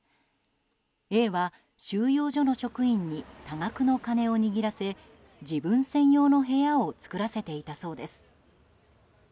Ａは、収容所の職員に多額の金を握らせ自分専用の部屋を作らせていたそうです。